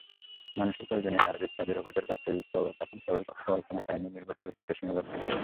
মানুষের প্রয়োজনীয় নানাবিধ কাজে রোবটের বাস্তবিক প্রয়োগ এখন কেবল কল্পকাহিনিনির্ভর চলচ্চিত্রে সীমাবদ্ধ নেই।